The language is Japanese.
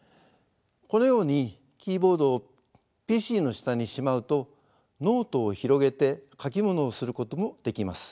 このようにキーボードをＰＣの下にしまうとノートを広げて書きものをすることもできます。